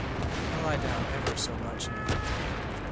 I lie down ever so much now.